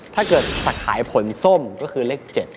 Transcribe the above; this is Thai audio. ถ้าเกิดจะขายผลส้มก็คือเลข๗